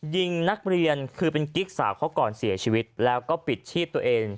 ยิงนักเรียนคือเป็นกิ๊กสาวเขาก่อนเสียชีวิตแล้วก็ปิดชีพตัวเอง